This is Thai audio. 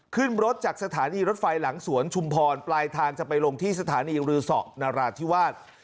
ขึ้นรถจากสถานีรถไฟหลังสวนชุมพรปลายทางจะไปลงที่สถานีรือสอนราธิวาส